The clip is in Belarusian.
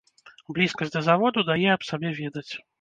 Блізкасць да заводу дае аб сабе ведаць.